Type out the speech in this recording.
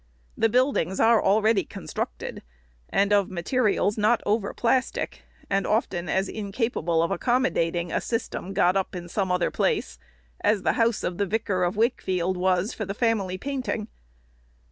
The buildings are already constructed, and of materials not over plastic, and often as incapable of accommodating a system got up in some other place, as the house of the Vicar of Wakefield was for the family painting.